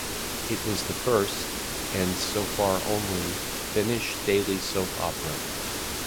It was the first, and so far only, Finnish daily soap opera.